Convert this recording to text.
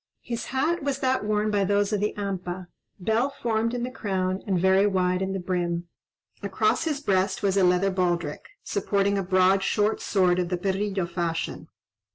His hat was that worn by those of the Hampa, bell formed in the crown, and very wide in the brim. Across his breast was a leather baldric, supporting a broad, short sword of the perrillo fashion.